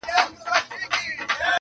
ډک جامونه صراحي ده که صهبا دی,